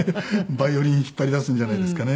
バイオリン引っ張り出すんじゃないですかね。